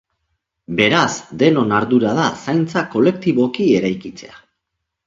Beraz, denon ardura da zaintza kolektiboki eraikitzea.